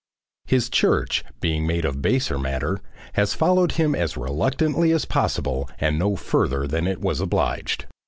His Church, being made of baser matter, has followed him as reluctantly as possible and no further than it was obliged.